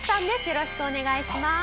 よろしくお願いします。